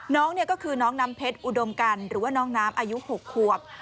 นี่คือน้องน้ำเพชรอุดมกันหรือว่าน้องน้ำอายุ๖ควบ